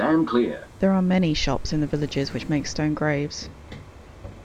There are many shops in the villages which makes stone graves.